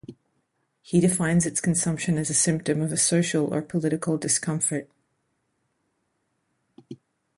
He defines its consumption as a symptom of a social or political discomfort.